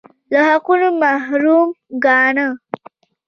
له حقونو محروم ګاڼه